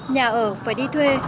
nhà ở phải đi thuê